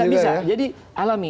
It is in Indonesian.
tidak bisa jadi alami